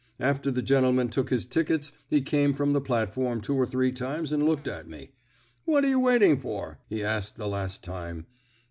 After the gentleman took his tickets he came from the platform two or three times and looked at me. 'What are you waiting for?' he asked the last time.